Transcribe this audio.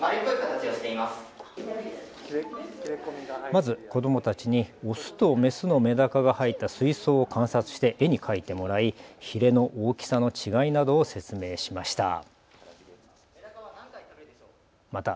まず子どもたちにオスとメスのメダカが入った水槽を観察して絵に描いてもらい、ひれの大きさの違いなどを説明しました。